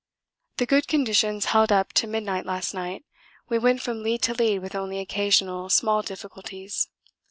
The good conditions held up to midnight last night; we went from lead to lead with only occasional small difficulties.